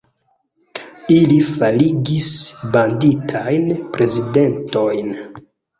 Ili faligis banditajn prezidentojn.